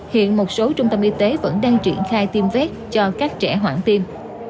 hiện một số trung tâm y tế vẫn đang triển khai tiêm vét cho các trẻ hoãn tiêm